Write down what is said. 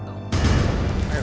ayo serahkan anak itu